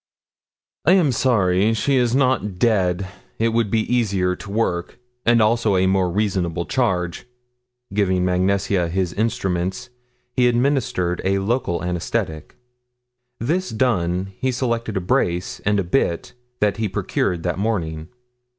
"I am sorry she is not dead, it would be easier to work, and also a more reasonable charge." Giving Mag Nesia his instruments he administered a local anesthetic; this done he selected a brace and bit that he had procured that morning.